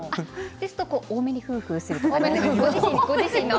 でしたら多めにふうふうする。